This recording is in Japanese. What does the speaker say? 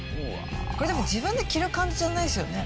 これでも自分で着る感じじゃないですよね。